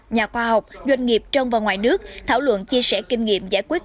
nhà khoa học doanh nghiệp trong và ngoài nước thảo luận chia sẻ kinh nghiệm giải quyết